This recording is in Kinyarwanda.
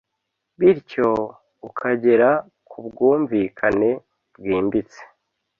bityo ukagera kubwumvikane bwimbitse